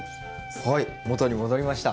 はい元に戻りました。